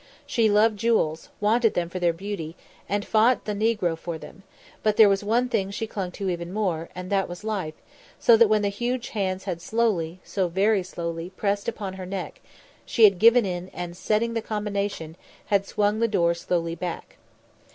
She loved jewels; wanted them for their beauty; had fought the negro for them; but there was one thing she clung to even more, and that was life, so that when the huge hands had slowly, so very slowly pressed upon her neck, she had given in and setting the combination, had swung the door slowly back.